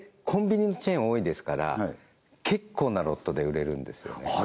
コンビニのチェーン多いですから結構なロットで売れるんですよね